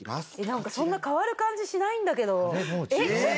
なんかそんな変わる感じしないんだけど。